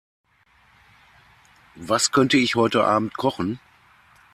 Was könnte ich heute Abend kochen?